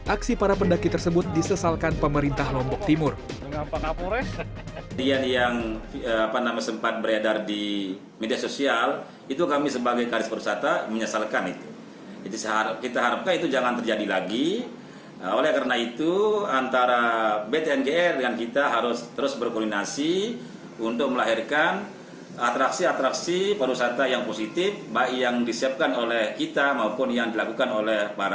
aksi para pendaki tersebut disesalkan pemerintah lombok timur